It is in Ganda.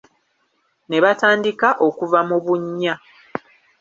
Ne batandika okuva mu bunnya.